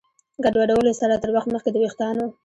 ګډوډولو سره تر وخت مخکې د ویښتانو